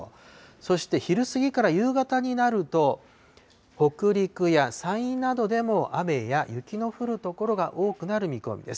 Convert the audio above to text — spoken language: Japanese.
そして昼過ぎから夕方になると、北陸や山陰などでも雨や雪の降る所が多くなる見込みです。